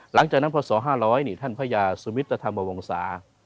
หลังจากนั้นพศ๕๐๐นี่ท่านพระยาสุมิตรธรรมวงศา